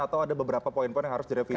atau ada beberapa poin poin yang harus direvisi